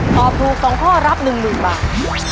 ตอบถูก๒ข้อรับ๑๐๐๐บาท